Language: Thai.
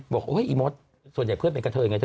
บอกว่าอีโมสส่วนใหญ่เพื่อนเป็นกับเธออย่างไรเธอ